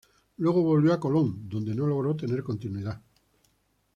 Luego volvió a Colón, donde no logró tener continuidad.